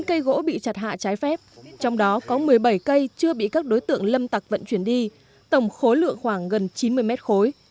bốn cây gỗ bị chặt hạ trái phép trong đó có một mươi bảy cây chưa bị các đối tượng lâm tặc vận chuyển đi tổng khối lượng khoảng gần chín mươi mét khối